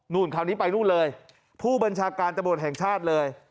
คราวนี้ไปนู่นเลยผู้บัญชาการตำรวจแห่งชาติเลย